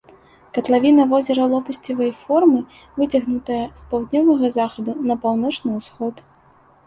Катлавіна возера лопасцевай формы, выцягнутая з паўднёвага захаду на паўночны ўсход.